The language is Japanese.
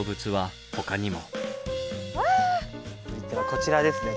こちらですね。